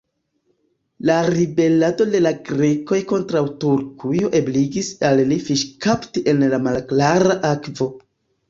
La ribelado de la Grekoj kontraŭ Turkujo ebligis al li fiŝkapti en malklara akvo.